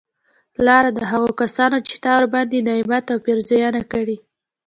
لاره د هغه کسانو چې تا ورباندي نعمت او پیرزونه کړي